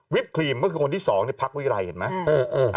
วิปครีมก็คือคนที่สองเนี่ยพักวิไรเห็นไหมอืมอืม